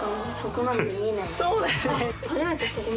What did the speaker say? そうだよね